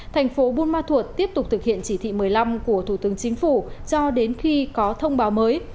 thành phố bumathur tiếp tục thực hiện chỉ thị một mươi năm của thủ tướng chính phủ cho đến khi có thông báo mới